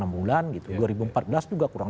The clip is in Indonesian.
enam bulan gitu dua ribu empat belas juga kurang